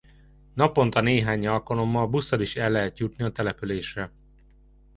Naponta néhány alkalommal busszal is el lehet jutni a településre.